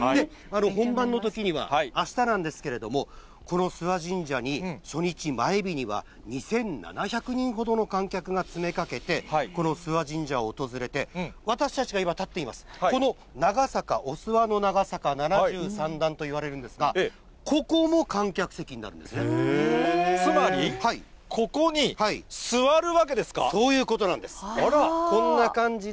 本番のときには、あしたなんですけれども、この諏訪神社に、初日、前日には２７００人ほどの観客が詰めかけて、この諏訪神社を訪れて、私たちが今、立っています、この長坂、お諏訪の長坂七十三段といわれているんですが、つまり、ここに座るわけですそういうことなんです。